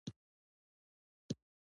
د فکر لپاره مغز اړین دی